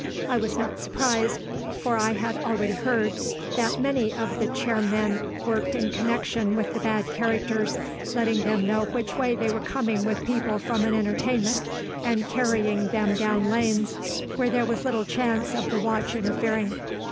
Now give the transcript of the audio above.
I was not surprised, for I had already heard that many of the chair men worked in connection with the bad characters, letting them know which way they were coming with people from an entertainment, and carrying them down lanes where there was little chance of the watch interfering.